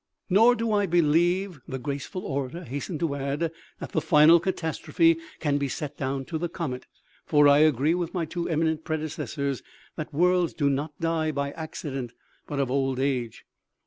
" Nor do I believe," the graceful orator hastened to add, " that the final catastrophe can be set down to the comet, for I agree with my two eminent predecessors, that worlds do not die by accident, but of old age.